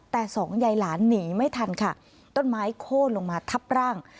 แต่สองยายหลานหนีไม่ทันค่ะต้นไม้โค้นลงมาทับร่าง